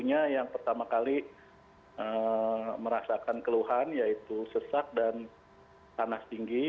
yang pertama kali merasakan keluhan yaitu sesak dan panas tinggi